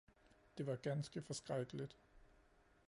Det var ganske forskrækkeligt!